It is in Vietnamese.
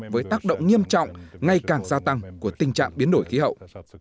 với tác động nghiêm trọng ngay càng gia tăng của tình trạng biến đổi khí hậu